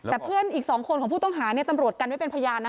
แต่เพื่อนอีก๒คนของผู้ต้องหาตำรวจกันไว้เป็นพยาน